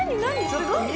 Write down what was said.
すごいよ！